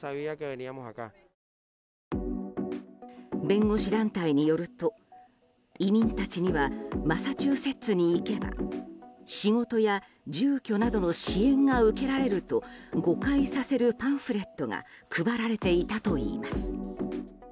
弁護士団体によると移民たちにはマサチューセッツに行けば仕事や住居などの支援が受けられると誤解させるパンフレットが配られていたといいます。